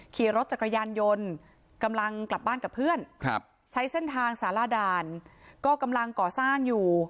ขี่รถจักรยานยนต์กำลังกลับบ้านกับเพื่อนใช้เส้นทางสารด่านก็กำลังก่อสร้างอยู่